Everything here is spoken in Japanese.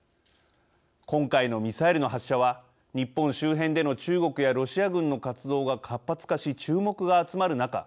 今回のミサイルの発射は日本周辺での中国やロシア軍の活動が活発化し注目が集まる中